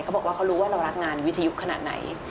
เขาบอกว่าเขารู้ว่าเรารักงานวิทยุขนาดไหน